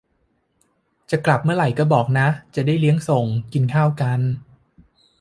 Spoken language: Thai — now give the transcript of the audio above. จะกลับเมื่อไหร่ก็บอกนะ จะได้เลี้ยงส่ง กินข้าวกัน